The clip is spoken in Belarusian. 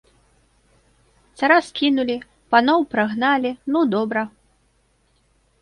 Цара скінулі, паноў прагналі, ну, добра.